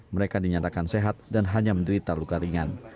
mereka dinyatakan sehat dan hanya menderita luka ringan